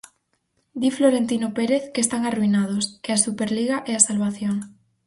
Di Florentino Pérez que están arruinados, que a Superliga é a salvación.